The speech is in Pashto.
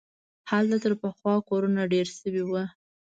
هلته تر پخوا کورونه ډېر سوي وو.